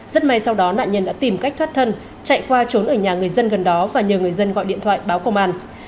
rất may sau đó nạn nhân đã tìm cách thoát thân chạy qua trốn ở nhà người dân gần đó và nhờ người dân gọi điện thoại báo công an